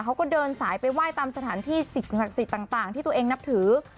เขาก็เดินสายไปไหว้ตามสถานที่สิ่งศักดิ์สิทธิ์ต่างที่ตัวเองนับถือ